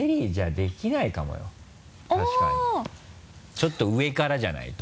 ちょっと上からじゃないと。